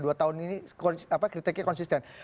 dua tahun ini kritiknya konsisten